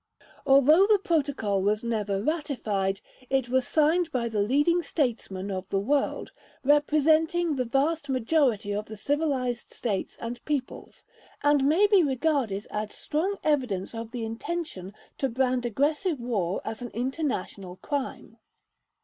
Although the Protocol was never ratified, it was signed by the leading statesmen of the world, representing the vast majority of the civilized states and peoples, and may be regarded as strong evidence of the intention to brand aggressive war as an international crime.